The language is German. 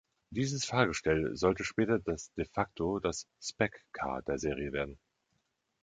Dieses Fahrgestell sollte später das de facto das „spec car” der Serie werden.